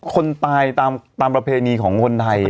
คนตายตามประเพณีของคนไทย